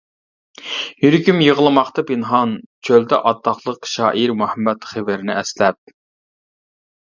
يۈرىكىم يىغلىماقتا پىنھان چۆلىدە-ئاتاقلىق شائىر مۇھەممەت خېۋىرنى ئەسلەپ.